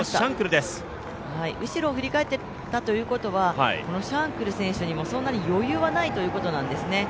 後ろを振り返ったということはシャンクル選手にもそんなに余裕はないということなんですね。